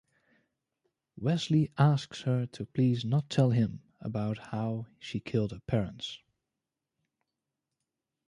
Wesley asks her to please not tell him about how she killed her parents.